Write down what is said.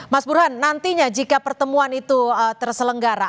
mas burhan nantinya jika pertemuan itu terselenggara